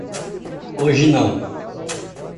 Hoje não.